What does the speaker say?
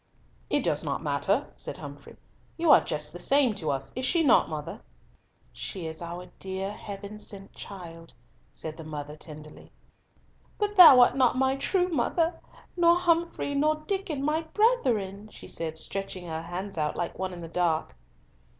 "It does not matter," said Humfrey, "you are just the same to us, is she not, mother?" "She is our dear Heaven sent child," said the mother tenderly. "But thou art not my true mother, nor Humfrey nor Diccon my brethren," she said, stretching out her hands like one in the dark.